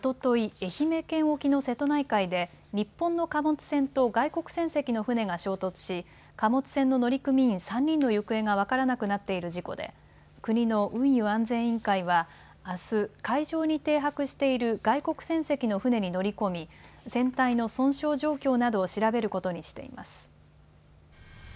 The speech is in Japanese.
愛媛県沖の瀬戸内海で日本の貨物船と外国船籍の船が衝突し、貨物船の乗組員３人の行方が分からなくなっている事故で国の運輸安全委員会はあす、海上に停泊している外国船籍の船に乗り込み船体の損傷状況などを調べることにしています。